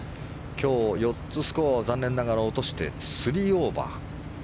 今日、４つスコアを残念ながら落として３オーバー。